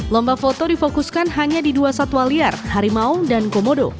lomba foto difokuskan hanya di dua satwa liar harimau dan komodo